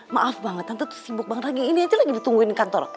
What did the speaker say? maaf banget tante tuh sibuk banget lagi ini aja lagi ditungguin kantor